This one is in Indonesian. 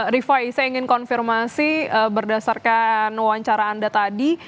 rifai saya ingin konfirmasi berdasarkan wawancara anda tadi